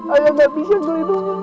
ayah gak bisa ngerindungin kamu